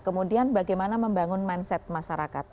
kemudian bagaimana membangun mindset masyarakat